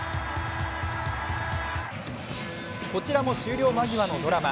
こちらも終了間際のドラマ。